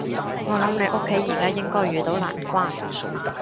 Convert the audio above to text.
我諗你屋企而家應該遇到難關